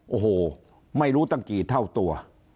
โอ้โหไม่รู้ตั้งกี่เท่าตัว